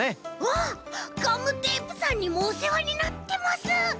わあガムテープさんにもおせわになってます。